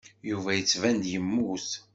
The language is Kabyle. Yuba yettban-d yemmut.